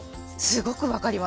すごく分かります。